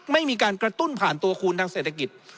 ไม่มีการกระตุ้นผ่านตัวคูณทางเศรษฐกิจ